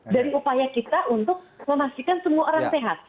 dari upaya kita untuk memastikan semua orang sehat